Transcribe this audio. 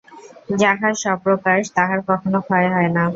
যাহা স্বপ্রকাশ, তাহার কখনও ক্ষয় হয় না।